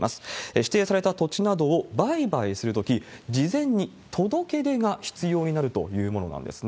指定された土地などを売買するとき、事前に届け出が必要になるというものなんですね。